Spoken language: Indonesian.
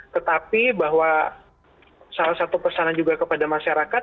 tetapi bahwa salah satu pesanan juga kepada masyarakat